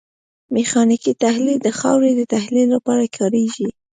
میخانیکي تحلیل د خاورې د تحلیل لپاره کاریږي